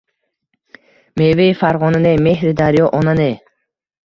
Mevai Fargʼona ne, mehri daryo ona ne